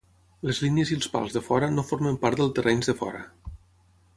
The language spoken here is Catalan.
Les línies i els pals de fora no formen part del terrenys de fora.